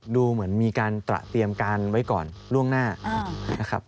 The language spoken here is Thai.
ดูเหมือนมีการตะเตรียมการไว้ก่อนร่วมหน้า